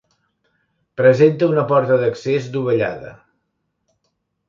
Presenta una porta d'accés dovellada.